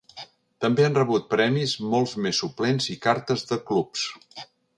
També han rebut premis molts més suplents i cartes de clubs.